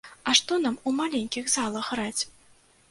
А што нам у маленькіх залах граць!?